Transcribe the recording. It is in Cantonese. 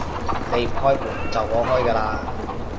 你唔開門，就我開㗎喇